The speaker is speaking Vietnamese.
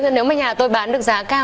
nếu mà nhà tôi bán được giá cao